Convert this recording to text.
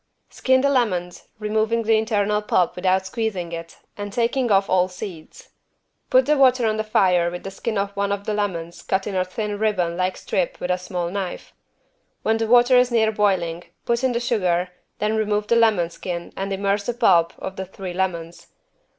Skin the lemons, removing the internal pulp without squeezing it and taking off all seeds. Put the water on the fire with the skin of one of the lemons cut in a thin ribbon like strip with a small knife. When the water is near boiling put in the sugar then remove the lemon skin and immerse the pulp of the three lemons.